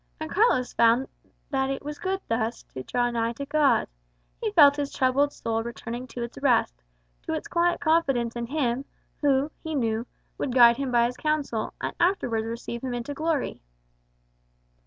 And Carlos found that it was good thus to draw nigh to God. He felt his troubled soul returning to its rest, to its quiet confidence in Him who, he knew, would guide him by his counsel, and afterwards receive him into glory.